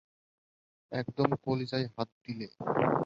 একদম কলিজায় হাত দিলে।